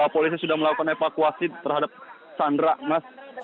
polisi sudah melakukan evakuasi terhadap sandra mas